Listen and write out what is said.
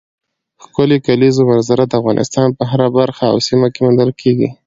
ښکلې کلیزو منظره د افغانستان په هره برخه او سیمه کې موندل کېږي.